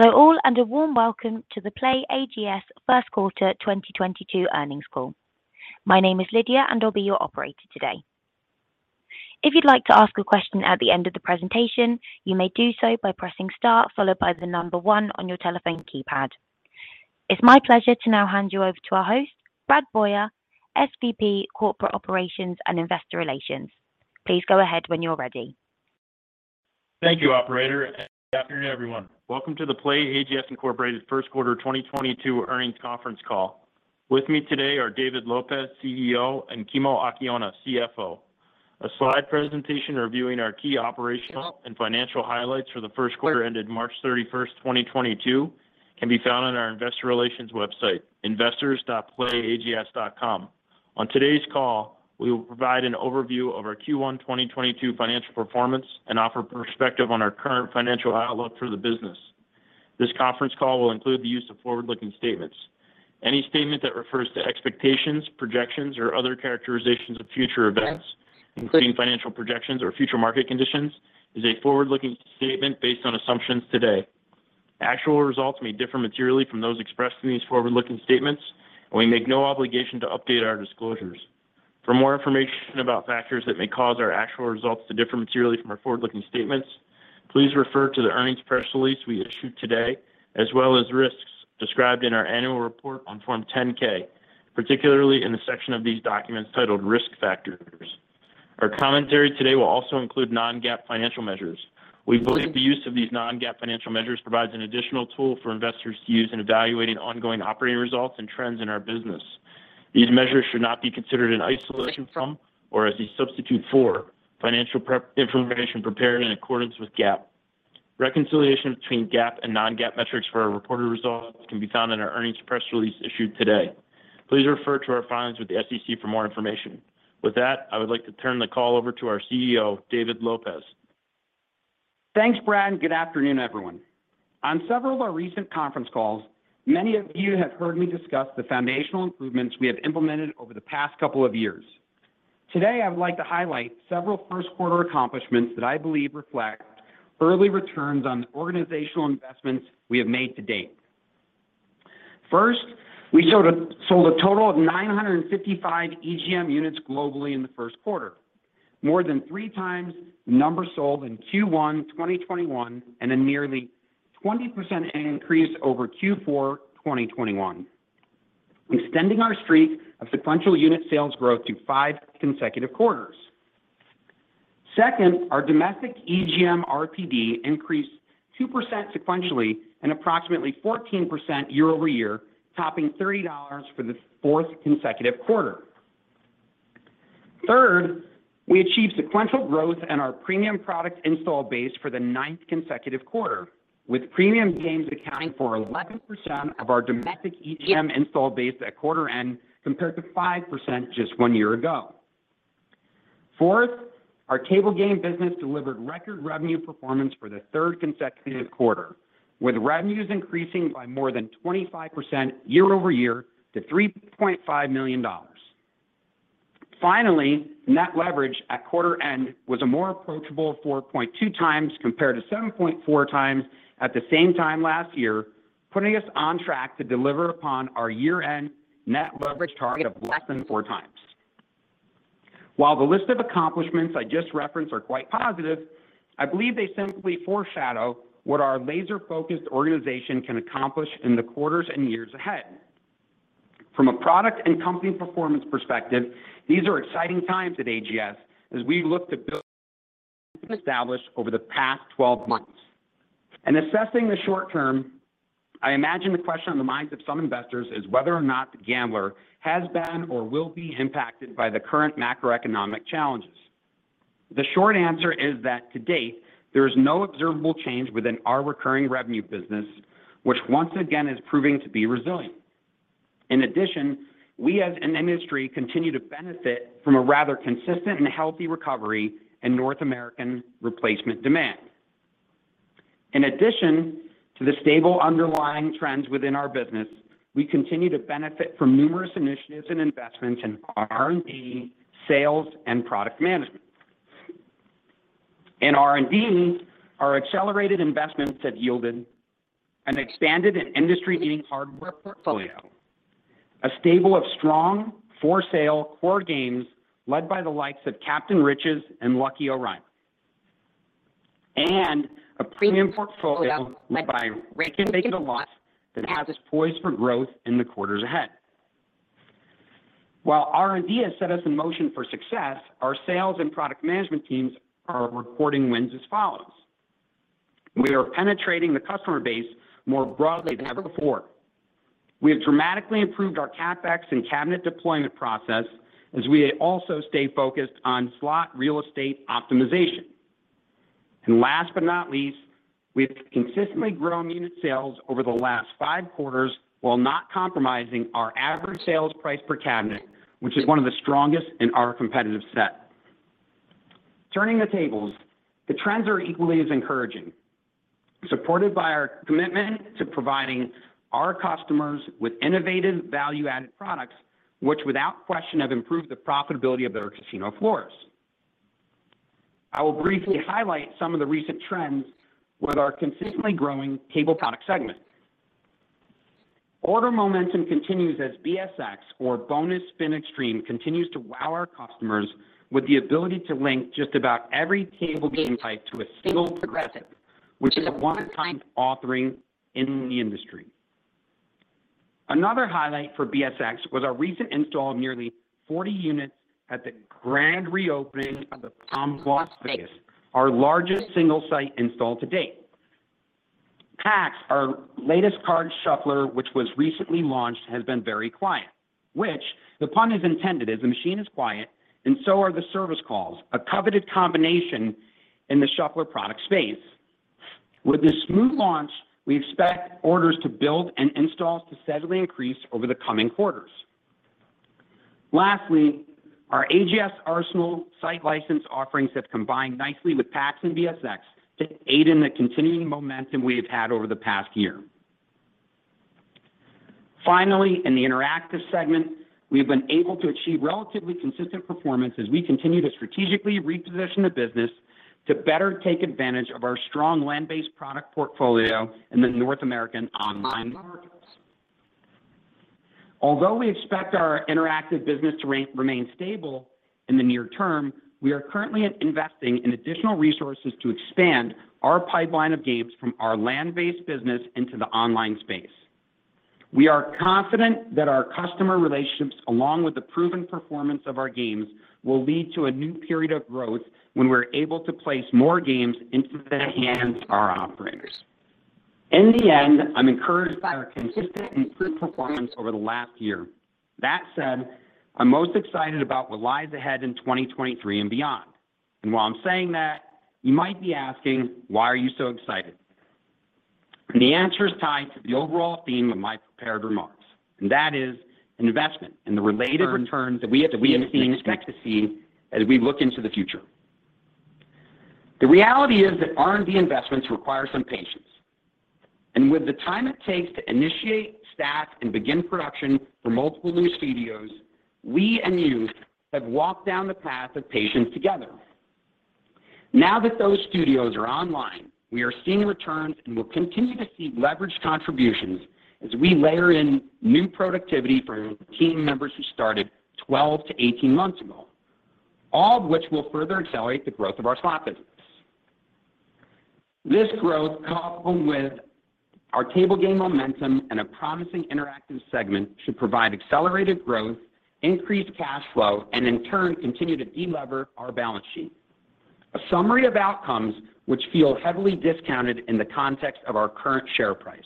Hello all, and a warm welcome to the PlayAGS Q1 2022 earnings call. My name is Lydia, and I'll be your operator today. If you'd like to ask a question at the end of the presentation, you may do so by pressing star followed by the number one on your telephone keypad. It's my pleasure to now hand you over to our host, Brad Boyer, SVP of Investor Relations & Corporate Operations. Please go ahead when you're ready. Thank you, operator, and good afternoon, everyone. Welcome to the PlayAGS, Inc. Q1 2022 earnings conference call. With me today are David Lopez, CEO, and Kimo Akiona, CFO. A slide presentation reviewing our key operational and financial highlights for the Q1 ended March 31, 2022 can be found on our investor relations website, investors.playags.com. On today's call, we will provide an overview of our Q1 2022 financial performance and offer perspective on our current financial outlook for the business. This conference call will include the use of forward-looking statements. Any statement that refers to expectations, projections, or other characterizations of future events, including financial projections or future market conditions, is a forward-looking statement based on assumptions today. Actual results may differ materially from those expressed in these forward-looking statements, and we make no obligation to update our disclosures. For more information about factors that may cause our actual results to differ materially from our forward-looking statements, please refer to the earnings press release we issued today, as well as risks described in our annual report on Form 10-K, particularly in the section of these documents titled Risk Factors. Our commentary today will also include non-GAAP financial measures. We believe the use of these non-GAAP financial measures provides an additional tool for investors to use in evaluating ongoing operating results and trends in our business. These measures should not be considered in isolation from or as a substitute for financial information prepared in accordance with GAAP. Reconciliation between GAAP and non-GAAP metrics for our reported results can be found in our earnings press release issued today. Please refer to our filings with the SEC for more information. With that, I would like to turn the call over to our CEO, David Lopez. Thanks, Brad, and good afternoon, everyone. On several of our recent conference calls, many of you have heard me discuss the foundational improvements we have implemented over the past couple of years. Today, I would like to highlight several Q1 accomplishments that I believe reflect early returns on the organizational investments we have made to date. First, we sold a total of 955 EGM units globally in the Q1, more than three times the number sold in Q1 2021 and a nearly 20% increase over Q4 2021, extending our streak of sequential unit sales growth to five consecutive quarters. Second, our domestic EGM RPD increased 2% sequentially and approximately 14% year-over-year, topping $30 for the fourth consecutive quarter. Third, we achieved sequential growth in our premium product install base for the 9th consecutive quarter, with premium games accounting for 11% of our domestic EGM install base at quarter end compared to 5% just one year ago. Fourth, our table game business delivered record revenue performance for the third consecutive quarter, with revenues increasing by more than 25% year-over-year to $3.5 million. Finally, net leverage at quarter end was a more approachable 4.2x compared to 7.4x at the same time last year, putting us on track to deliver upon our year-end net leverage target of less than 4x. While the list of accomplishments I just referenced are quite positive, I believe they simply foreshadow what our laser-focused organization can accomplish in the quarters and years ahead. From a product and company performance perspective, these are exciting times at AGS as we look to build on established over the past 12 months. In assessing the short term, I imagine the question on the minds of some investors is whether or not the gambler has been or will be impacted by the current macroeconomic challenges. The short answer is that to date, there is no observable change within our recurring revenue business, which once again is proving to be resilient. In addition, we as an industry continue to benefit from a rather consistent and healthy recovery in North American replacement demand. In addition to the stable underlying trends within our business, we continue to benefit from numerous initiatives and investments in R&D, sales, and product management. In R&D, our accelerated investments have yielded an expanded and industry-leading hardware portfolio, a stable of strong for-sale core games led by the likes of Captain Riches and Lucky O'Ryan, and a premium portfolio led by Rising of the Lost that has us poised for growth in the quarters ahead. While R&D has set us in motion for success, our sales and product management teams are reporting wins as follows. We are penetrating the customer base more broadly than ever before. We have dramatically improved our CapEx and cabinet deployment process as we also stay focused on slot real estate optimization. Last but not least, we have consistently grown unit sales over the last five quarters while not compromising our average sales price per cabinet, which is one of the strongest in our competitive set. Turning the tables, the trends are equally as encouraging, supported by our commitment to providing our customers with innovative value-added products, which without question have improved the profitability of their casino floors. I will briefly highlight some of the recent trends with our consistently growing table product segment. Order momentum continues as BSX or Bonus Spin Xtreme continues to wow our customers with the ability to link just about every table game type to a single progressive, which is a one-of-a-kind offering in the industry. Another highlight for BSX was our recent install of nearly 40 units at the grand reopening of the Palms Casino Resort, our largest single site install to date. PAX, our latest card shuffler, which was recently launched, has been very quiet, with the pun intended, as the machine is quiet and so are the service calls, a coveted combination in the shuffler product space. With this smooth launch, we expect orders to build and installs to steadily increase over the coming quarters. Lastly, our AGS Arsenal site license offerings have combined nicely with Pax S and BSX to aid in the continuing momentum we have had over the past year. Finally, in the interactive segment, we have been able to achieve relatively consistent performance as we continue to strategically reposition the business to better take advantage of our strong land-based product portfolio in the North American online markets. Although we expect our interactive business to remain stable in the near term, we are currently investing in additional resources to expand our pipeline of games from our land-based business into the online space. We are confident that our customer relationships, along with the proven performance of our games, will lead to a new period of growth when we're able to place more games into the hands of our operators. In the end, I'm encouraged by our consistently improved performance over the last year. That said, I'm most excited about what lies ahead in 2023 and beyond. While I'm saying that, you might be asking, "Why are you so excited?" The answer is tied to the overall theme of my prepared remarks, and that is and the related returns that we expect to see as we look into the future. The reality is that R&D investments require some patience. With the time it takes to initiate, staff, and begin production for multiple new studios, we and you have walked down the path of patience together. Now that those studios are online, we are seeing returns, and we'll continue to see leveraged contributions as we layer in new productivity from team members who started 12-18 months ago, all of which will further accelerate the growth of our slot business. This growth, coupled with our table game momentum and a promising interactive segment, should provide accelerated growth, increased cash flow, and in turn, continue to delever our balance sheet. A summary of outcomes which feel heavily discounted in the context of our current share price.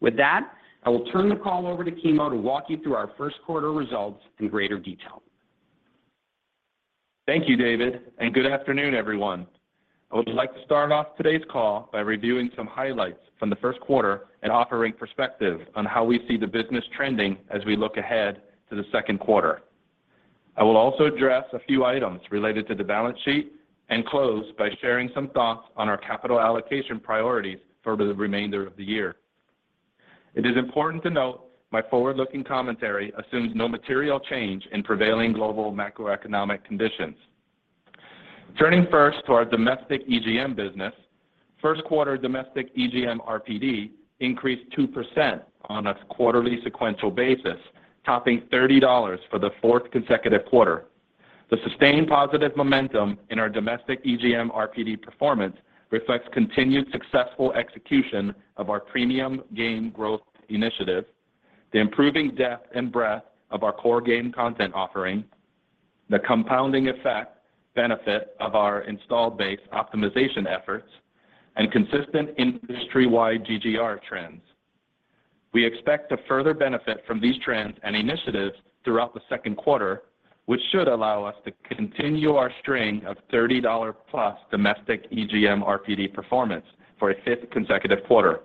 With that, I will turn the call over to Kimo to walk you through our Q1 results in greater detail. Thank you, David, and good afternoon, everyone. I would like to start off today's call by reviewing some highlights from the Q1 and offering perspective on how we see the business trending as we look ahead to the Q2. I will also address a few items related to the balance sheet and close by sharing some thoughts on our capital allocation priorities for the remainder of the year. It is important to note my forward-looking commentary assumes no material change in prevailing global macroeconomic conditions. Turning first to our domestic EGM business, Q1 domestic EGM RPD increased 2% on a quarterly sequential basis, topping $30 for the fourth consecutive quarter. The sustained positive momentum in our domestic EGM RPD performance reflects continued successful execution of our premium game growth initiative, the improving depth and breadth of our core game content offering, the compounding effect benefit of our installed base optimization efforts, and consistent industry-wide GGR trends. We expect to further benefit from these trends and initiatives throughout the Q2, which should allow us to continue our string of $30+ domestic EGM RPD performance for a fifth consecutive quarter.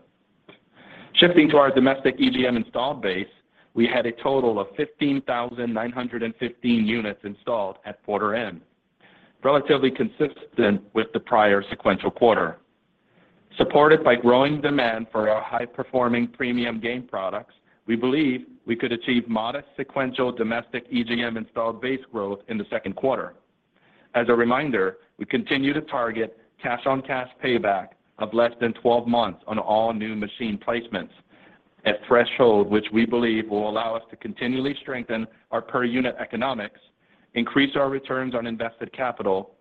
Shifting to our domestic EGM installed base, we had a total of 15,915 units installed at quarter end, relatively consistent with the prior sequential quarter. Supported by growing demand for our high-performing premium game products, we believe we could achieve modest sequential domestic EGM installed base growth in the Q2. As a reminder, we continue to target cash-on-cash payback of less than 12 months on all new machine placements at threshold, which we believe will allow us to continually strengthen our per-unit economics, increase our returns on invested capital,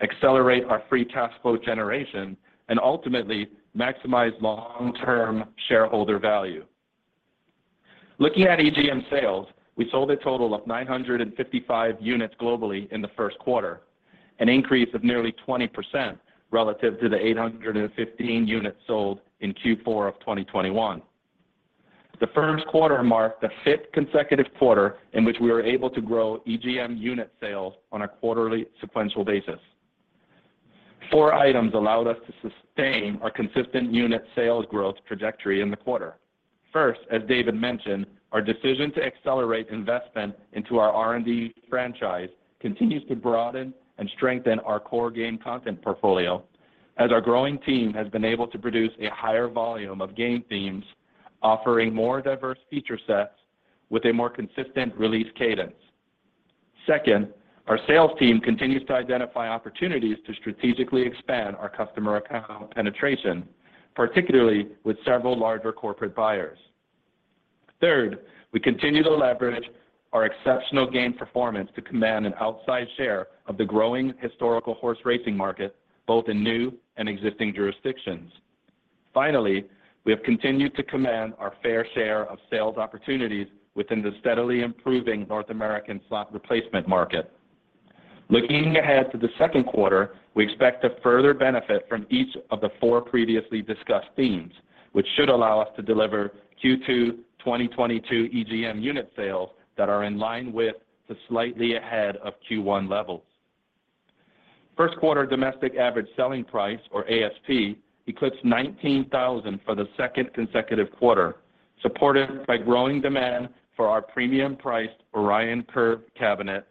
accelerate our free cash flow generation, and ultimately maximize long-term shareholder value. Looking at EGM sales, we sold a total of 955 units globally in the Q1, an increase of nearly 20% relative to the 815 units sold in Q4 of 2021. The Q1 marked the fifth consecutive quarter in which we were able to grow EGM unit sales on a quarterly sequential basis. Four items allowed us to sustain our consistent unit sales growth trajectory in the quarter. First, as David mentioned, our decision to accelerate investment into our R&D franchise continues to broaden and strengthen our core game content portfolio as our growing team has been able to produce a higher volume of game themes. Offering more diverse feature sets with a more consistent release cadence. Second, our sales team continues to identify opportunities to strategically expand our customer account penetration, particularly with several larger corporate buyers. Third, we continue to leverage our exceptional game performance to command an outsized share of the growing historical horse racing market, both in new and existing jurisdictions. Finally, we have continued to command our fair share of sales opportunities within the steadily improving North American slot replacement market. Looking ahead to the Q2, we expect to further benefit from each of the four previously discussed themes, which should allow us to deliver Q2 2022 EGM unit sales that are in line with, to slightly ahead of Q1 levels. Q1 domestic average selling price, or ASP, eclipsed 19,000 for the second consecutive quarter, supported by growing demand for our premium-priced Orion Curve cabinet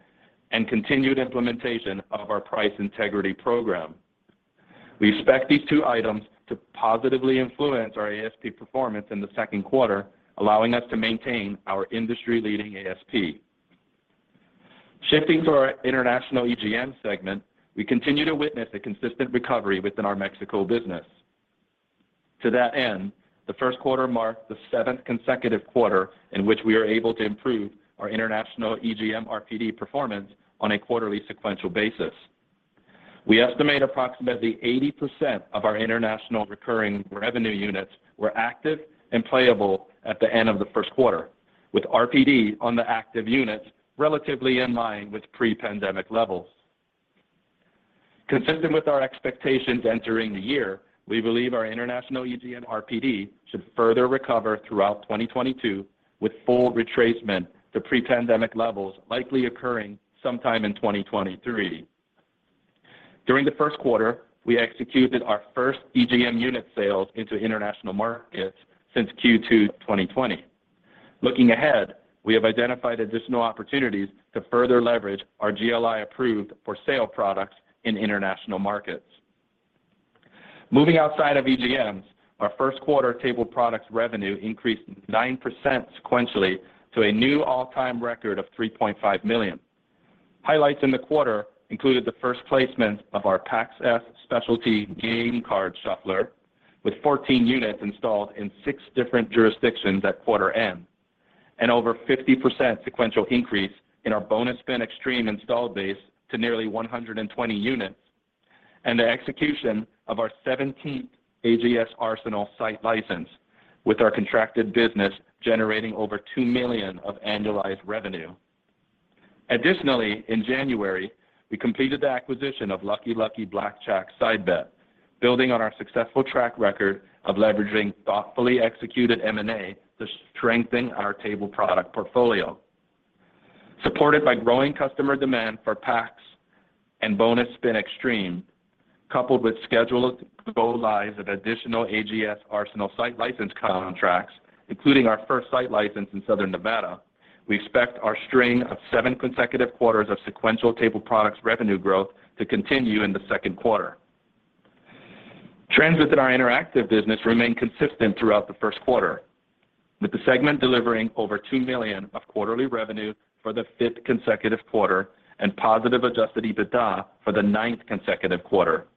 and continued implementation of our price integrity program. We expect these two items to positively influence our ASP performance in the Q2, allowing us to maintain our industry-leading ASP. Shifting to our international EGM segment, we continue to witness a consistent recovery within our Mexico business. To that end, the Q1 marked the seventh consecutive quarter in which we are able to improve our international EGM RPD performance on a quarterly sequential basis. We estimate approximately 80% of our international recurring revenue units were active and playable at the end of the Q1, with RPD on the active units relatively in line with pre-pandemic levels. Consistent with our expectations entering the year, we believe our international EGM RPD should further recover throughout 2022, with full retracement to pre-pandemic levels likely occurring sometime in 2023. During the Q1, we executed our first EGM unit sales into international markets since Q2 2020. Looking ahead, we have identified additional opportunities to further leverage our GLI-approved for sale products in international markets. Moving outside of EGMs, our Q1 table products revenue increased 9% sequentially to a new all-time record of $3.5 million. Highlights in the quarter included the first placement of our Pax S specialty game card shuffler, with 14 units installed in six different jurisdictions at quarter end, and over 50% sequential increase in our Bonus Spin Xtreme installed base to nearly 120 units, and the execution of our 17th AGS Arsenal site license, with our contracted business generating over $2 million of annualized revenue. Additionally, in January, we completed the acquisition of Lucky Lucky Blackjack side bet, building on our successful track record of leveraging thoughtfully executed M&A to strengthen our table product portfolio. Supported by growing customer demand for Pax S and Bonus Spin Xtreme, coupled with scheduled go-lives of additional AGS Arsenal site license contracts, including our first site license in Southern Nevada, we expect our string of seven consecutive quarters of sequential table products revenue growth to continue in the Q2. Trends within our interactive business remained consistent throughout the Q1, with the segment delivering over $2 million of quarterly revenue for the fifth consecutive quarter and positive adjusted EBITDA for the ninth consecutive quarter.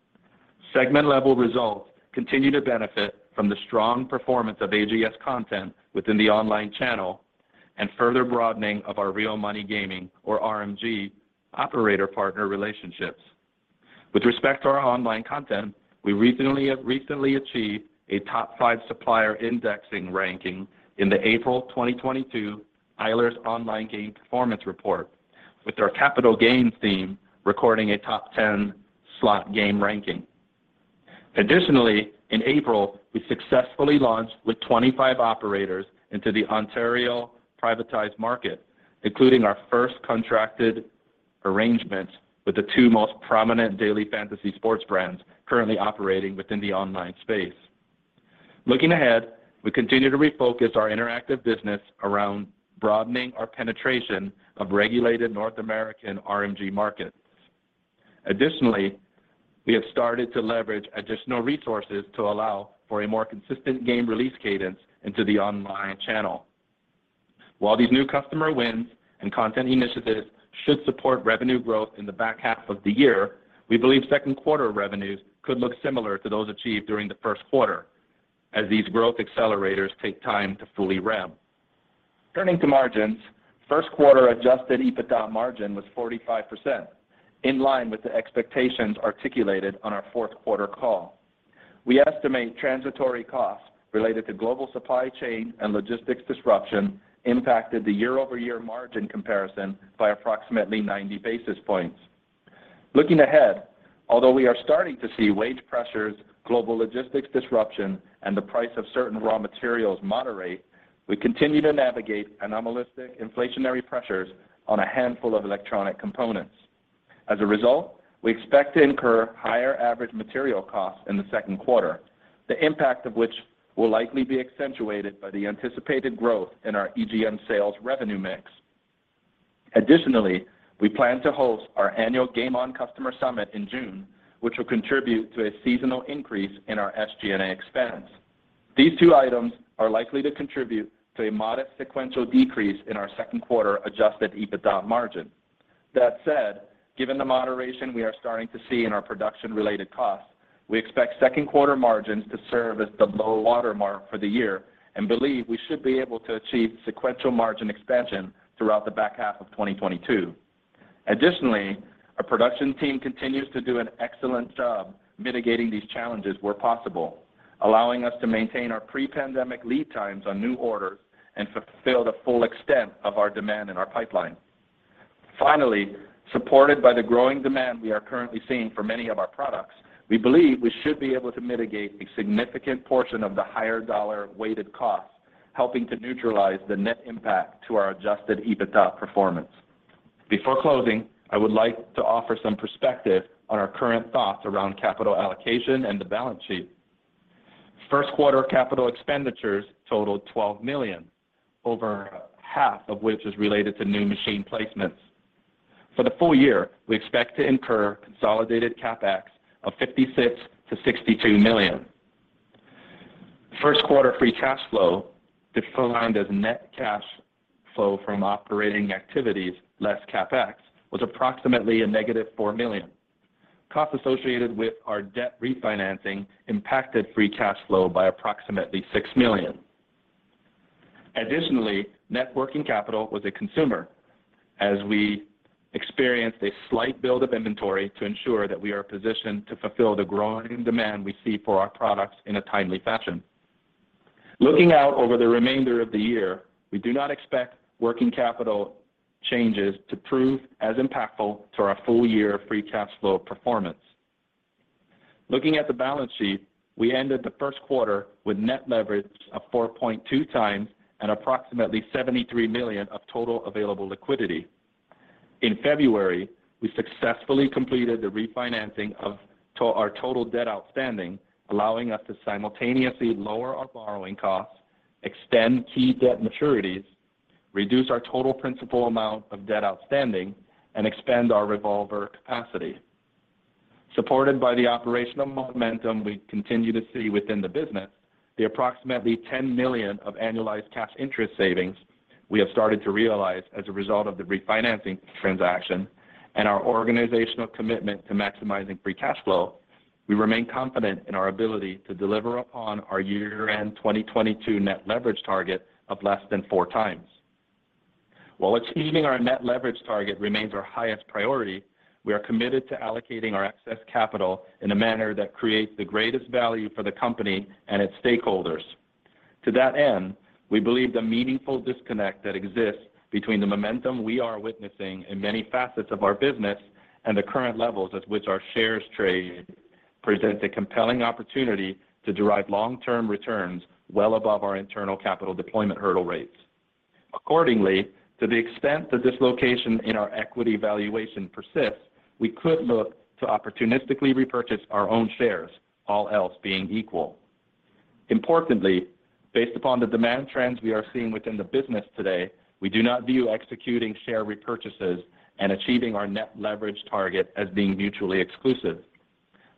Segment-level results continue to benefit from the strong performance of AGS content within the online channel and further broadening of our real money gaming, or RMG, operator partner relationships. With respect to our online content, we recently achieved a top five supplier indexing ranking in the April 2022 Eilers & Krejcik Online Game Performance Report, with our Capital Gains theme recording a top 10 slot game ranking. Additionally, in April, we successfully launched with 25 operators into the Ontario privatized market, including our first contracted arrangement with the two most prominent daily fantasy sports brands currently operating within the online space. Looking ahead, we continue to refocus our interactive business around broadening our penetration of regulated North American RMG markets. Additionally, we have started to leverage additional resources to allow for a more consistent game release cadence into the online channel. While these new customer wins and content initiatives should support revenue growth in the back half of the year, we believe Q2 revenues could look similar to those achieved during the Q1 as these growth accelerators take time to fully ramp. Turning to margins, Q1 adjusted EBITDA margin was 45%, in line with the expectations articulated on our Q4 call. We estimate transitory costs related to global supply chain and logistics disruption impacted the year-over-year margin comparison by approximately 90 basis points. Looking ahead, although we are starting to see wage pressures, global logistics disruption, and the price of certain raw materials moderate, we continue to navigate anomalous inflationary pressures on a handful of electronic components. As a result, we expect to incur higher average material costs in the Q2, the impact of which will likely be accentuated by the anticipated growth in our EGM sales revenue mix. Additionally, we plan to host our annual GameON customer summit in June, which will contribute to a seasonal increase in our SG&A expense. These two items are likely to contribute to a modest sequential decrease in our Q2 adjusted EBITDA margin. That said, given the moderation we are starting to see in our production related costs, we expect Q2 margins to serve as the low water mark for the year and believe we should be able to achieve sequential margin expansion throughout the back half of 2022. Additionally, our production team continues to do an excellent job mitigating these challenges where possible, allowing us to maintain our pre-pandemic lead times on new orders and fulfill the full extent of our demand in our pipeline. Finally, supported by the growing demand we are currently seeing for many of our products, we believe we should be able to mitigate a significant portion of the higher dollar weighted costs, helping to neutralize the net impact to our adjusted EBITDA performance. Before closing, I would like to offer some perspective on our current thoughts around capital allocation and the balance sheet. Q1 capital expenditures totaled $12 million, over half of which was related to new machine placements. For the full year, we expect to incur consolidated CapEx of $56 million to $62 million. Q1 free cash flow, defined as net cash flow from operating activities, less CapEx, was approximately -$4 million. Costs associated with our debt refinancing impacted free cash flow by approximately $6 million. Additionally, net working capital was a use as we experienced a slight build of inventory to ensure that we are positioned to fulfill the growing demand we see for our products in a timely fashion. Looking out over the remainder of the year, we do not expect working capital changes to prove as impactful to our full year free cash flow performance. Looking at the balance sheet, we ended the Q1 with net leverage of 4.2 times and approximately $73 million of total available liquidity. In February, we successfully completed the refinancing of our total debt outstanding, allowing us to simultaneously lower our borrowing costs, extend key debt maturities, reduce our total principal amount of debt outstanding and expand our revolver capacity. Supported by the operational momentum we continue to see within the business, the approximately $10 million of annualized cash interest savings we have started to realize as a result of the refinancing transaction and our organizational commitment to maximizing free cash flow, we remain confident in our ability to deliver upon our year-end 2022 net leverage target of less than four times. While achieving our net leverage target remains our highest priority, we are committed to allocating our excess capital in a manner that creates the greatest value for the company and its stakeholders. To that end, we believe the meaningful disconnect that exists between the momentum we are witnessing in many facets of our business and the current levels at which our shares trade present a compelling opportunity to derive long-term returns well above our internal capital deployment hurdle rates. Accordingly, to the extent the dislocation in our equity valuation persists, we could look to opportunistically repurchase our own shares, all else being equal. Importantly, based upon the demand trends we are seeing within the business today, we do not view executing share repurchases and achieving our net leverage target as being mutually exclusive.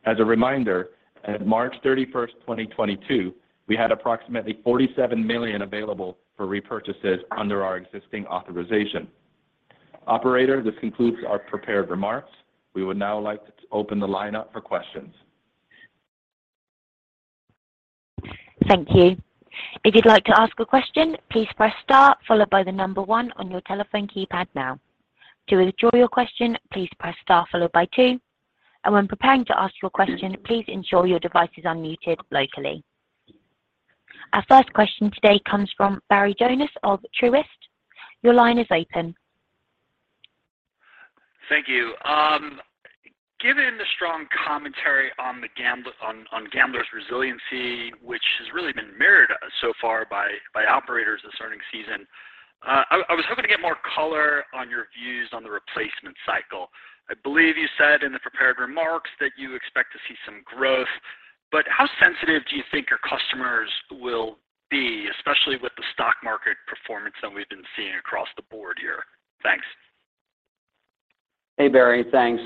As a reminder, at March 31, 2022, we had approximately $47 million available for repurchases under our existing authorization. Operator, this concludes our prepared remarks. We would now like to open the line up for questions. Thank you. If you'd like to ask a question, please press star followed by the number one on your telephone keypad now. To withdraw your question, please press star followed by two. When preparing to ask your question, please ensure your device is unmuted locally. Our first question today comes from Barry Jonas of Truist. Your line is open. Thank you. Given the strong commentary on the gamblers' resiliency, which has really been mirrored so far by operators this earnings season, I was hoping to get more color on your views on the replacement cycle. I believe you said in the prepared remarks that you expect to see some growth, but how sensitive do you think your customers will be, especially with the stock market performance that we've been seeing across the board here? Thanks. Hey, Barry. Thanks.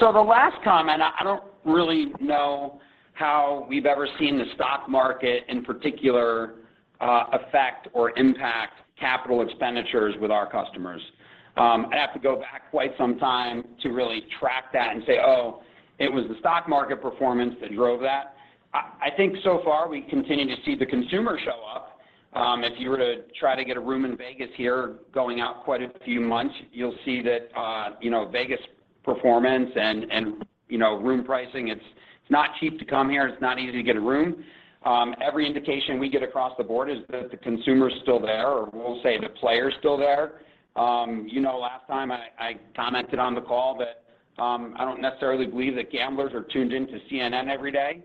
The last comment, I don't really know how we've ever seen the stock market in particular affect or impact capital expenditures with our customers. I'd have to go back quite some time to really track that and say, "Oh, it was the stock market performance that drove that." I think so far we continue to see the consumer show up. If you were to try to get a room in Vegas here going out quite a few months, you'll see that, you know, Vegas performance and, you know, room pricing, it's not cheap to come here. It's not easy to get a room. Every indication we get across the board is that the consumer's still there, or we'll say the player's still there. You know, last time I commented on the call that I don't necessarily believe that gamblers are tuned into CNN every day.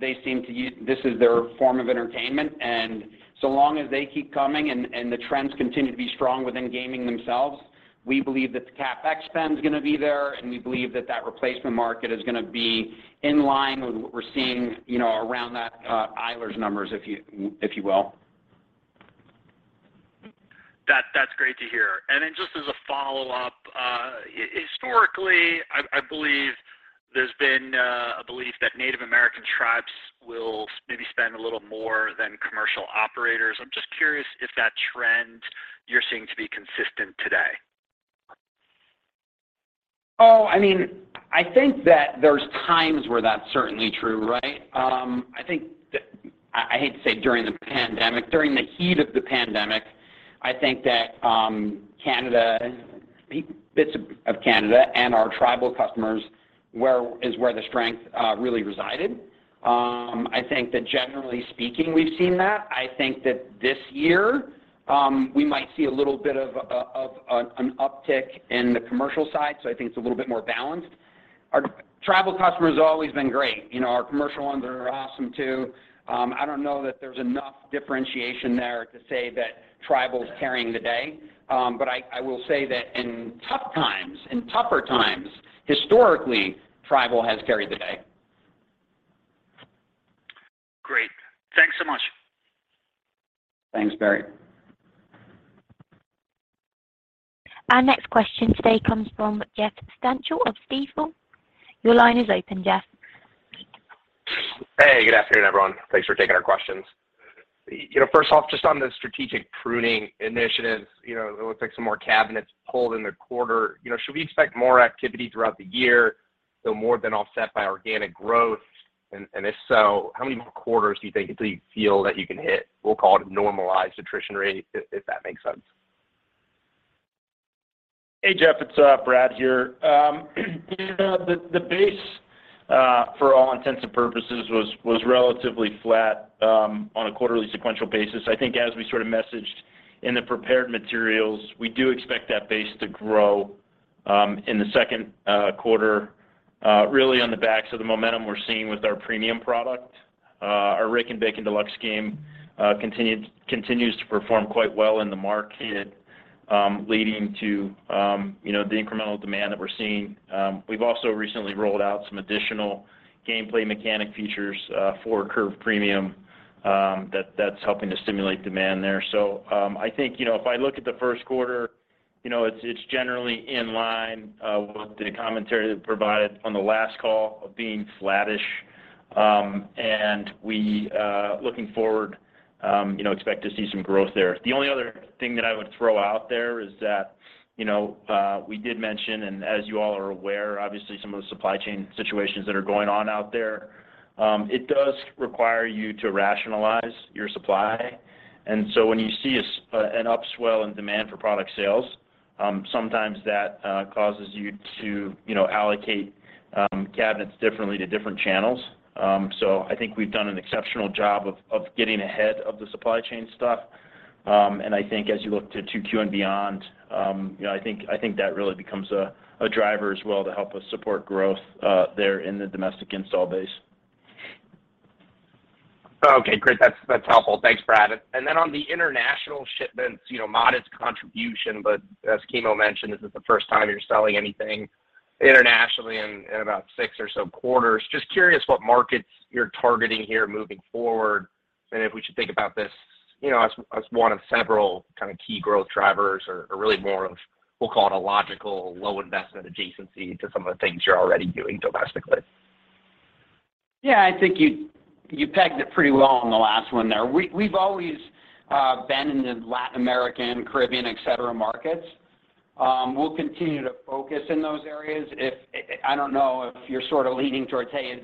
They seem to use this as their form of entertainment, and so long as they keep coming and the trends continue to be strong within gaming themselves. We believe that the CapEx spend's gonna be there, and we believe that replacement market is gonna be in line with what we're seeing, you know, around that Eilers numbers, if you will. That, that's great to hear. Just as a follow-up, historically I believe there's been a belief that Native American tribes will maybe spend a little more than commercial operators. I'm just curious if that trend you're seeing to be consistent today. I mean, I think that there's times where that's certainly true, right? I think that I hate to say during the pandemic, during the heat of the pandemic, I think that Canada, bits of Canada and our tribal customers is where the strength really resided. I think that generally speaking, we've seen that. I think that this year we might see a little bit of an uptick in the commercial side, so I think it's a little bit more balanced. Our tribal customer's always been great. You know, our commercial ones are awesome too. I don't know that there's enough differentiation there to say that tribal's carrying the day. But I will say that in tough times, in tougher times, historically, tribal has carried the day. Great. Thanks so much. Thanks, Barry. Our next question today comes from Jeff Stantial of Stifel. Your line is open, Jeff. Hey, good afternoon, everyone. Thanks for taking our questions. You know, first off, just on the strategic pruning initiatives, you know, it looks like some more cabinets pulled in the quarter. You know, should we expect more activity throughout the year, though more than offset by organic growth? If so, how many more quarters do you think until you feel that you can hit, we'll call it a normalized attrition rate, if that makes sense? Hey, Jeff, it's Brad here. You know, the base for all intents and purposes was relatively flat on a quarterly sequential basis. I think as we sort of messaged in the prepared materials, we do expect that base to grow in the Q2 really on the backs of the momentum we're seeing with our premium product. Our Rakin' Bacon! Deluxe game continues to perform quite well in the market, leading to you know the incremental demand that we're seeing. We've also recently rolled out some additional gameplay mechanic features for Orion Curve Premium that's helping to stimulate demand there. I think, you know, if I look at the Q1, you know, it's generally in line with the commentary that we provided on the last call of being flattish. We looking forward, you know, expect to see some growth there. The only other thing that I would throw out there is that, you know, we did mention, and as you all are aware, obviously some of the supply chain situations that are going on out there, it does require you to rationalize your supply. When you see an upswell in demand for product sales, sometimes that causes you to, you know, allocate cabinets differently to different channels. I think we've done an exceptional job of getting ahead of the supply chain stuff. I think as you look to Q and beyond, you know, I think that really becomes a driver as well to help us support growth there in the domestic install base. Okay, great. That's helpful. Thanks, Brad. On the international shipments, you know, modest contribution, but as Kimo mentioned, this is the first time you're selling anything internationally in about six or so quarters. Just curious what markets you're targeting here moving forward, and if we should think about this, you know, as one of several kind of key growth drivers or really more of, we'll call it a logical low investment adjacency to some of the things you're already doing domestically. Yeah. I think you pegged it pretty well on the last one there. We've always been in the Latin American, Caribbean, et cetera, markets. We'll continue to focus in those areas. I don't know if you're sort of leaning towards, hey,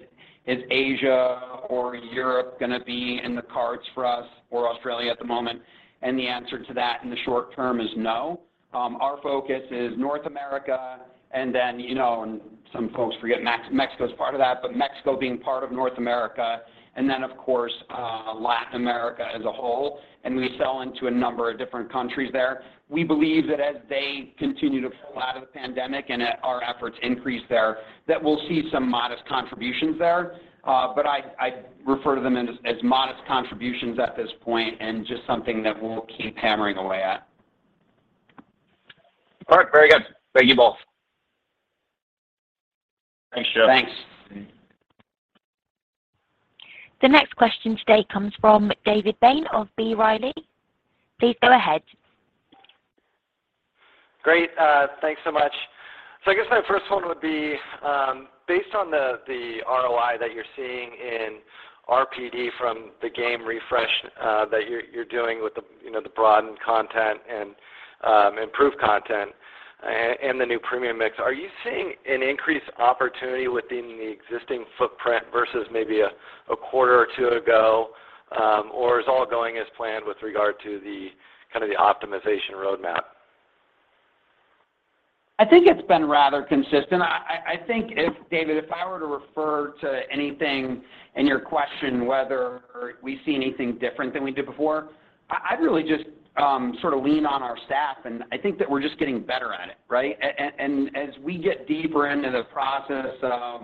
is Asia or Europe gonna be in the cards for us or Australia at the moment? The answer to that in the short term is no. Our focus is North America, and then, you know, and some folks forget Mexico's part of that, but Mexico being part of North America, and then of course, Latin America as a whole, and we sell into a number of different countries there. We believe that as they continue to pull out of the pandemic and as our efforts increase there, that we'll see some modest contributions there. I refer to them as modest contributions at this point and just something that we'll keep hammering away at. All right. Very good. Thank you both. Thanks, Jeff. Thanks. The next question today comes from David Bain of B. Riley. Please go ahead. Great. Thanks so much. I guess my first one would be based on the ROI that you're seeing in RPD from the game refresh that you're doing with the you know the broadened content and improved content and the new premium mix. Are you seeing an increased opportunity within the existing footprint versus maybe a quarter or two ago, or is all going as planned with regard to the kind of optimization roadmap? I think it's been rather consistent. I think, David, if I were to refer to anything in your question, whether we see anything different than we did before, I'd really just sort of lean on our stats, and I think that we're just getting better at it, right? As we get deeper into the process of,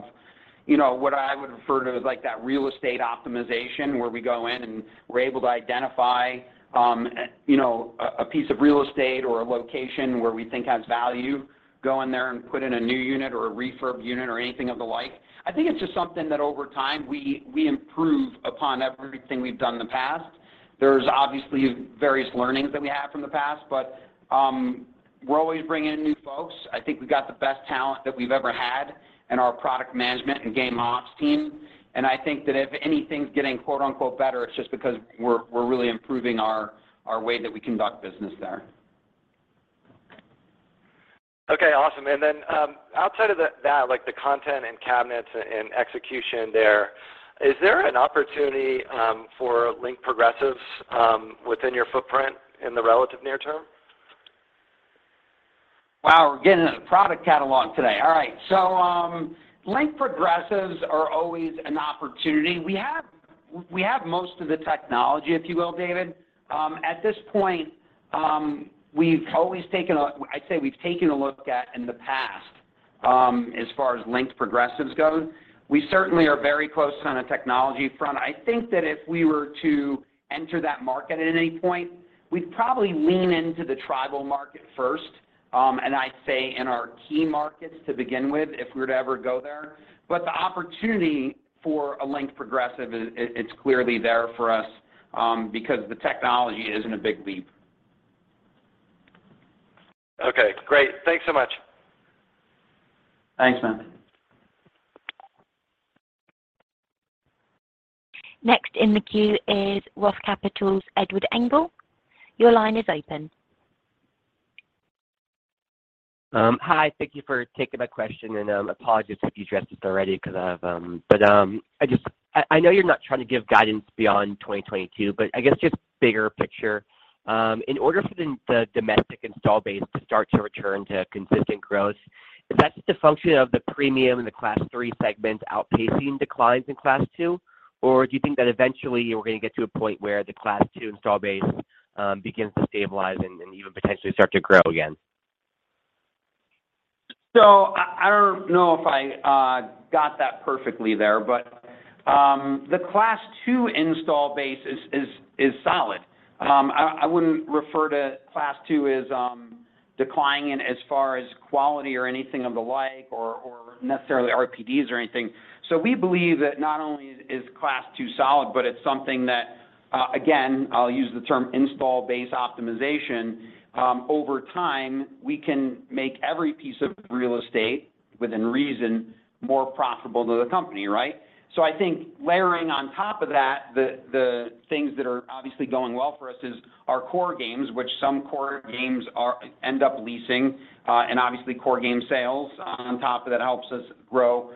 you know, what I would refer to as like that real estate optimization where we go in and we're able to identify, you know, a piece of real estate or a location where we think has value, go in there and put in a new unit or a refurb unit or anything of the like. I think it's just something that over time we improve upon everything we've done in the past. There's obviously various learnings that we have from the past, but we're always bringing in new folks. I think we've got the best talent that we've ever had in our product management and game ops team. I think that if anything's getting quote unquote better, it's just because we're really improving our way that we conduct business there. Okay, awesome. Outside of that, like the content and cabinets and execution there, is there an opportunity for link progressives within your footprint in the relative near term? Wow. We're getting into the product catalog today. All right. Linked progressives are always an opportunity. We have most of the technology, if you will, David. At this point, we've always taken a look at in the past, as far as linked progressives go. We certainly are very close on a technology front. I think that if we were to enter that market at any point, we'd probably lean into the tribal market first, and I'd say in our key markets to begin with, if we were to ever go there. The opportunity for a linked progressive is, it's clearly there for us, because the technology isn't a big leap. Okay, great. Thanks so much. Thanks, man. Next in the queue is Roth Capital Partners' Edward Engel. Your line is open. Hi. Thank you for taking my question, and apologies if you addressed this already because I've. I know you're not trying to give guidance beyond 2022, but I guess just bigger picture, in order for the domestic install base to start to return to consistent growth, is that just a function of the premium and the Class III segment outpacing declines in Class II? Or do you think that eventually we're going to get to a point where the Class II install base begins to stabilize and even potentially start to grow again? I don't know if I got that perfectly there, but the Class II install base is solid. I wouldn't refer to Class II as declining in as far as quality or anything of the like or necessarily RPDs or anything. We believe that not only is Class II solid, but it's something that again, I'll use the term install base optimization. Over time, we can make every piece of real estate within reason more profitable to the company, right? I think layering on top of that the things that are obviously going well for us is our core games, which some core games are end up leasing, and obviously core game sales on top of that helps us grow.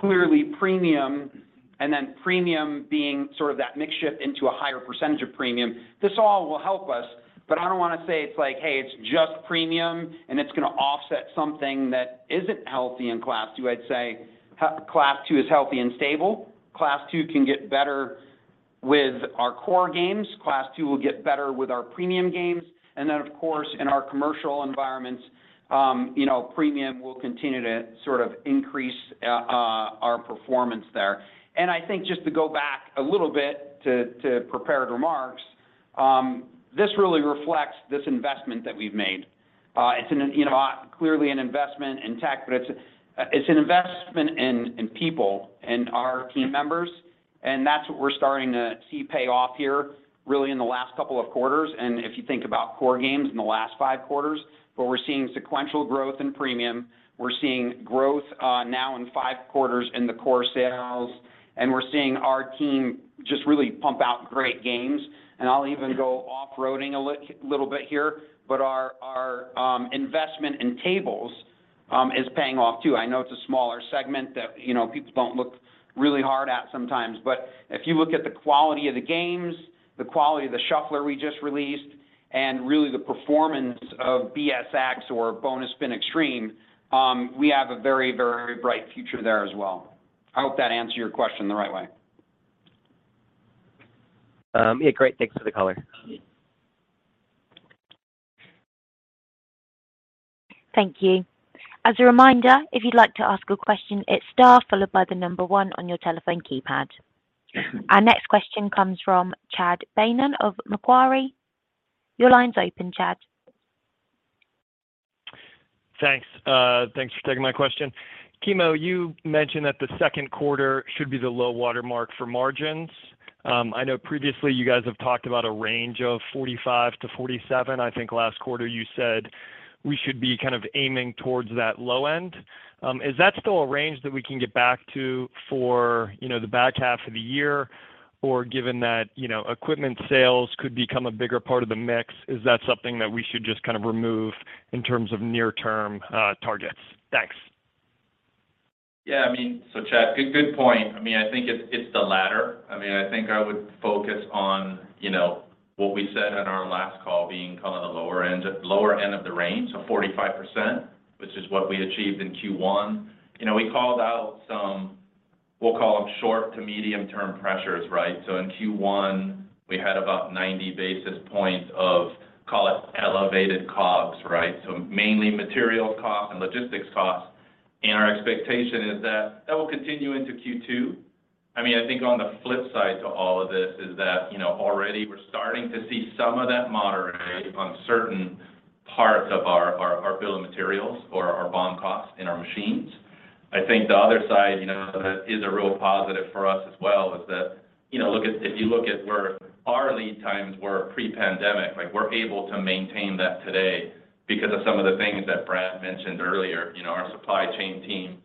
Clearly premium and then premium being sort of that mix shift into a higher percentage of premium, this all will help us. I don't want to say it's like, "Hey, it's just premium, and it's going to offset something that isn't healthy in Class II." I'd say Class II is healthy and stable. Class II can get better with our core games. Class II will get better with our premium games. Of course, in our commercial environments, you know, premium will continue to sort of increase our performance there. I think just to go back a little bit to prepared remarks, this really reflects this investment that we've made. It's, you know, clearly an investment in tech, but it's an investment in people and our team members, and that's what we're starting to see pay off here really in the last couple of quarters. If you think about core games in the last five quarters, but we're seeing sequential growth in premium. We're seeing growth now in five quarters in the core sales, and we're seeing our team just really pump out great games. I'll even go off-roading a little bit here, but our investment in tables is paying off too. I know it's a smaller segment that, you know, people don't look really hard at sometimes. If you look at the quality of the games, the quality of the shuffler we just released, and really the performance of BSX or Bonus Spin Xtreme, we have a very, very bright future there as well. I hope that answered your question the right way. Yeah. Great. Thanks for the color. Thank you. As a reminder, if you'd like to ask a question, it's star followed by the number one on your telephone keypad. Our next question comes from Chad Beynon of Macquarie. Your line's open, Chad. Thanks. Thanks for taking my question. Kimo, you mentioned that the Q2 should be the low water mark for margins. I know previously you guys have talked about a range of 45%-47%. I think last quarter you said we should be kind of aiming towards that low end. Is that still a range that we can get back to for, you know, the back half of the year? Or given that, you know, equipment sales could become a bigger part of the mix, is that something that we should just kind of remove in terms of near-term targets? Thanks. Yeah, I mean, Chad, good point. I mean, I think it's the latter. I mean, I think I would focus on, you know, what we said on our last call being kind of the lower end of the range, 45%, which is what we achieved in Q1. You know, we called out some. We'll call them short to medium-term pressures, right? In Q1, we had about 90 basis points of, call it elevated COGS, right? Mainly material costs and logistics costs, and our expectation is that that will continue into Q2. I mean, I think on the flip side to all of this is that, you know, already we're starting to see some of that moderating on certain parts of our bill of materials or our BOM costs in our machines. I think the other side, you know, that is a real positive for us as well is that, you know, if you look at where our lead times were pre-pandemic, like we're able to maintain that today because of some of the things that Brad mentioned earlier. You know, our supply chain team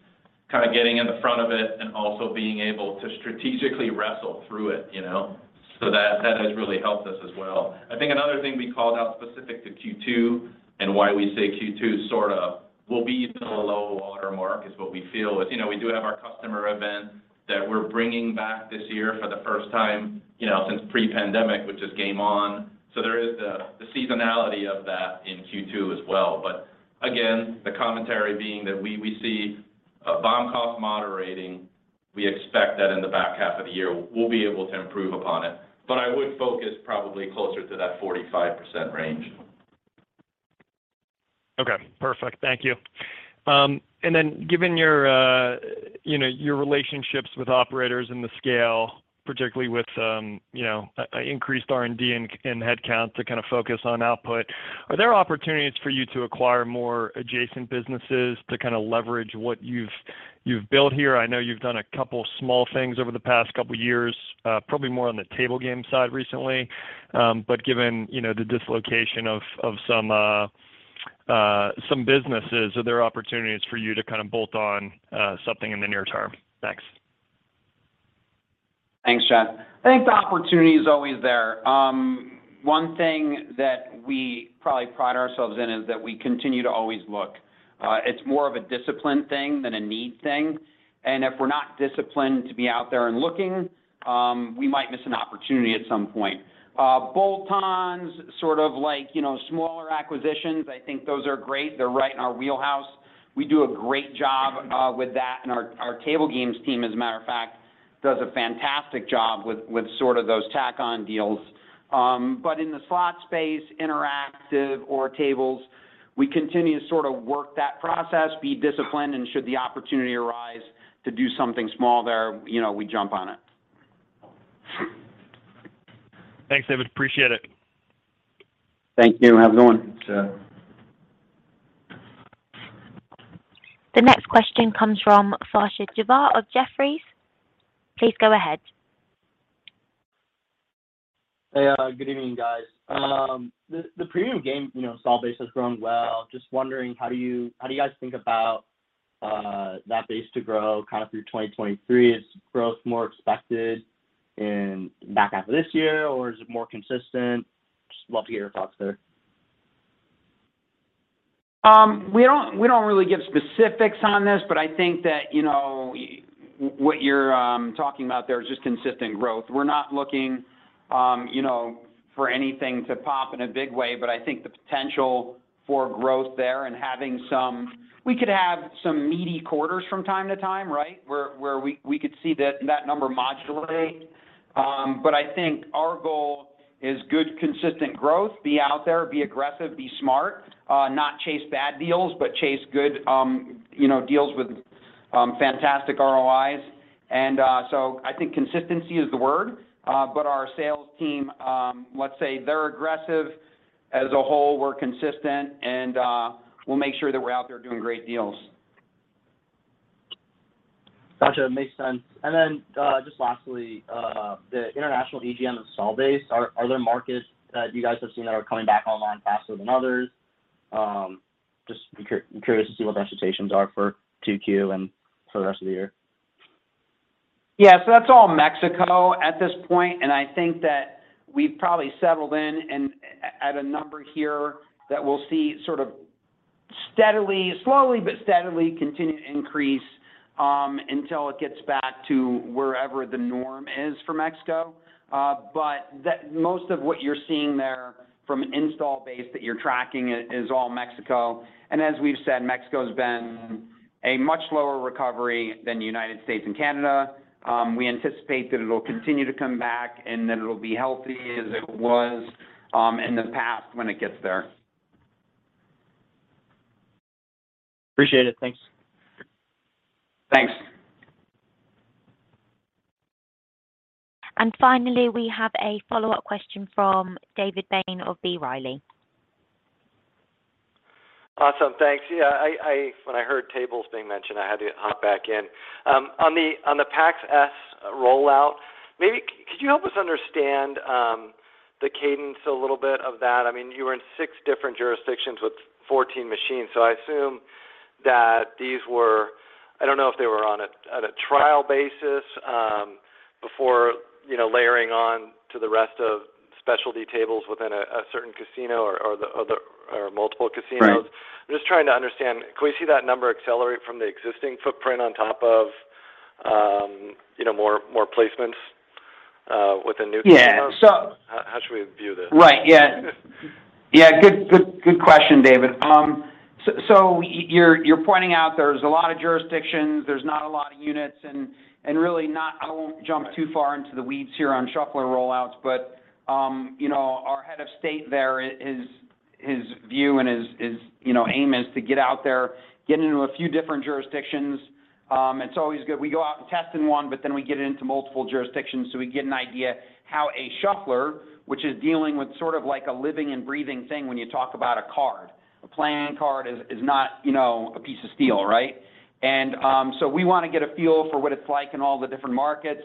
kind of getting in the front of it and also being able to strategically wrestle through it, you know. That has really helped us as well. I think another thing we called out specific to Q2 and why we say Q2 sort of, we'll be in a low watermark is what we feel is. You know, we do have our customer event that we're bringing back this year for the first time, you know, since pre-pandemic, which is GameON. There is the seasonality of that in Q2 as well. Again, the commentary being that we see BOM cost moderating. We expect that in the back half of the year, we'll be able to improve upon it. I would focus probably closer to that 45% range. Okay, perfect. Thank you. Given your, you know, your relationships with operators and the scale, particularly with, you know, an increased R&D and headcount to kind of focus on output, are there opportunities for you to acquire more adjacent businesses to kind of leverage what you've built here? I know you've done a couple small things over the past couple years, probably more on the table game side recently. Given, you know, the dislocation of some businesses, are there opportunities for you to kind of bolt on something in the near term? Thanks. Thanks, John. I think the opportunity is always there. One thing that we probably pride ourselves in is that we continue to always look. It's more of a discipline thing than a need thing, and if we're not disciplined to be out there and looking, we might miss an opportunity at some point. Bolt-ons, sort of like, you know, smaller acquisitions, I think those are great. They're right in our wheelhouse. We do a great job with that, and our table games team, as a matter of fact, does a fantastic job with sort of those tack on deals. In the slot space, interactive or tables, we continue to sort of work that process, be disciplined, and should the opportunity arise to do something small there, you know, we jump on it. Thanks, David. Appreciate it. Thank you. Have a good one. Thanks, John. The next question comes from Sasha Javaheri of Jefferies. Please go ahead. Hey, good evening, guys. The premium game, you know, install base has grown well. Just wondering how do you guys think about that base to grow kind of through 2023? Is growth more expected in the back half of this year, or is it more consistent? Just love to hear your thoughts there. We don't really give specifics on this, but I think that, you know, what you're talking about there is just consistent growth. We're not looking, you know, for anything to pop in a big way, but I think the potential for growth there and having some. We could have some meaty quarters from time to time, right? Where we could see that number modulate. I think our goal is good, consistent growth. Be out there, be aggressive, be smart, not chase bad deals, but chase good, you know, deals with fantastic ROIs. I think consistency is the word. Our sales team, let's say they're aggressive as a whole. We're consistent and we'll make sure that we're out there doing great deals. Gotcha. Makes sense. Then, just lastly, the international EGM install base, are there markets that you guys have seen that are coming back online faster than others? Just curious to see what the anticipations are for 2Q and for the rest of the year. Yeah. That's all Mexico at this point, and I think that we've probably settled in at a number here that we'll see sort of steadily, slowly but steadily continue to increase, until it gets back to wherever the norm is for Mexico. Most of what you're seeing there from an install base that you're tracking is all Mexico. As we've said, Mexico's been a much lower recovery than United States and Canada. We anticipate that it'll continue to come back and that it'll be healthy as it was in the past when it gets there. Appreciate it. Thanks. Thanks. Finally, we have a follow-up question from David Bain of B. Riley. Awesome. Thanks. Yeah, when I heard tables being mentioned, I had to hop back in. On the Pax S rollout, maybe could you help us understand the cadence a little bit of that? I mean, you were in six different jurisdictions with 14 machines, so I assume that these were. I don't know if they were on a trial basis before, you know, layering on to the rest of specialty tables within a certain casino or the other or multiple casinos. Right. I'm just trying to understand. Could we see that number accelerate from the existing footprint on top of, you know, more placements within new casinos? Yeah. How should we view this? Right. Yeah. Good question, David. So you're pointing out there's a lot of jurisdictions, there's not a lot of units, and really not. I won't jump too far into the weeds here on shuffler rollouts, but you know, our head of sales there, his view and his aim is to get out there, get into a few different jurisdictions. It's always good. We go out and test in one, but then we get into multiple jurisdictions, so we get an idea how a shuffler, which is dealing with sort of like a living and breathing thing when you talk about a card. A playing card is not you know, a piece of steel, right? So we wanna get a feel for what it's like in all the different markets.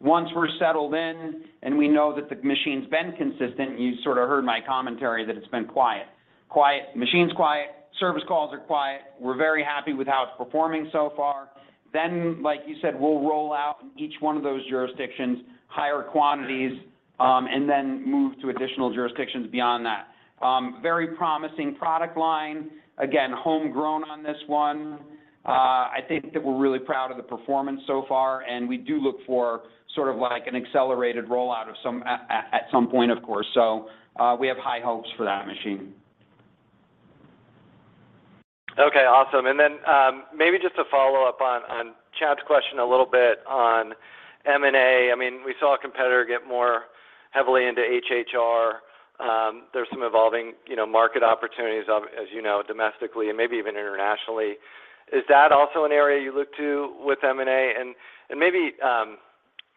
Once we're settled in and we know that the machine's been consistent, you sort of heard my commentary that it's been quiet. Quiet, machine's quiet, service calls are quiet. We're very happy with how it's performing so far. Like you said, we'll roll out in each one of those jurisdictions, higher quantities, and then move to additional jurisdictions beyond that. Very promising product line. Again, homegrown on this one. I think that we're really proud of the performance so far, and we do look for sort of like an accelerated rollout of some at some point, of course. We have high hopes for that machine. Okay. Awesome. Maybe just to follow up on Chad's question a little bit on M&A. I mean, we saw a competitor get more heavily into HHR. There's some evolving, you know, market opportunities, as you know, domestically and maybe even internationally. Is that also an area you look to with M&A?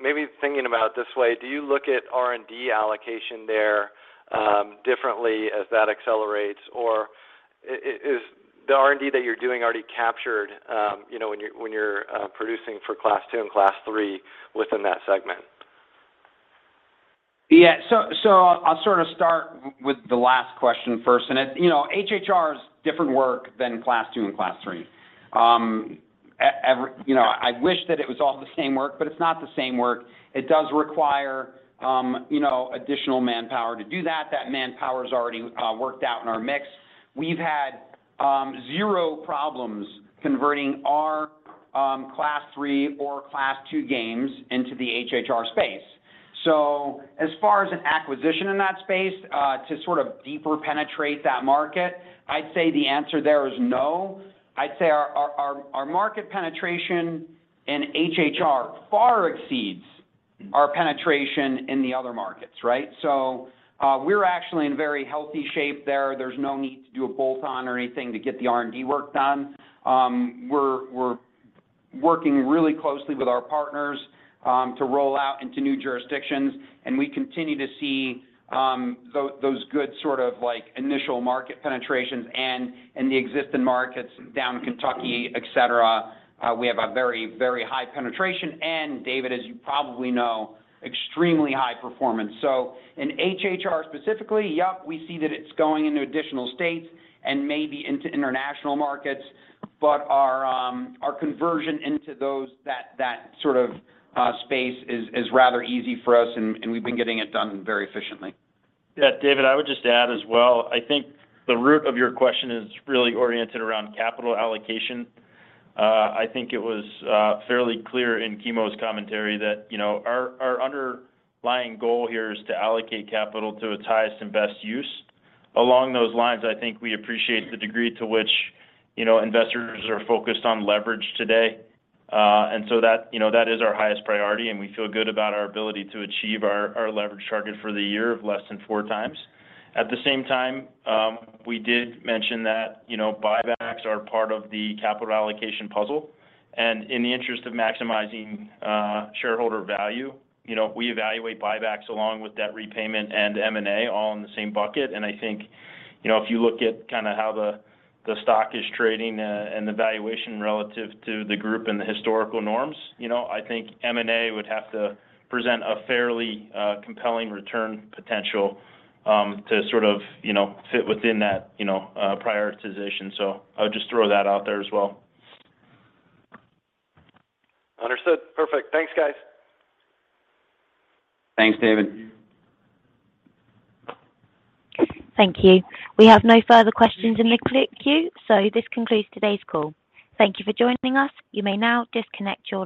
Maybe thinking about it this way, do you look at R&D allocation there differently as that accelerates? Or is the R&D that you're doing already captured, you know, when you're producing for Class II and Class III within that segment? Yeah. I'll sort of start with the last question first. You know, HHR is different work than Class II and Class III. You know, I wish that it was all the same work, but it's not the same work. It does require, you know, additional manpower to do that. That manpower's already worked out in our mix. We've had zero problems converting our Class III or Class II games into the HHR space. As far as an acquisition in that space to sort of deeply penetrate that market, I'd say the answer there is no. I'd say our market penetration in HHR far exceeds our penetration in the other markets, right? We're actually in very healthy shape there. There's no need to do a bolt-on or anything to get the R&D work done. We're working really closely with our partners to roll out into new jurisdictions, and we continue to see those good sort of like initial market penetrations and in the existing markets down in Kentucky, et cetera. We have a very high penetration, and David, as you probably know, extremely high performance. In HHR specifically, yep, we see that it's going into additional states and maybe into international markets. Our conversion into those, that sort of space is rather easy for us and we've been getting it done very efficiently. Yeah. David, I would just add as well. I think the root of your question is really oriented around capital allocation. I think it was fairly clear in Kimo's commentary that, you know, our underlying goal here is to allocate capital to its highest and best use. Along those lines, I think we appreciate the degree to which, you know, investors are focused on leverage today. And so that, you know, that is our highest priority, and we feel good about our ability to achieve our leverage target for the year of less than 4x. At the same time, we did mention that, you know, buybacks are part of the capital allocation puzzle. In the interest of maximizing shareholder value, you know, we evaluate buybacks along with debt repayment and M&A all in the same bucket. I think, you know, if you look at kinda how the stock is trading, and the valuation relative to the group and the historical norms, you know, I think M&A would have to present a fairly compelling return potential, to sort of, you know, fit within that, you know, prioritization. I would just throw that out there as well. Understood. Perfect. Thanks, guys. Thanks, David. Thank you. We have no further questions in the queue, so this concludes today's call. Thank you for joining us. You may now disconnect your lines.